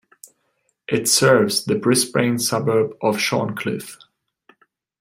It serves the Brisbane suburb of Shorncliffe.